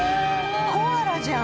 コアラじゃん！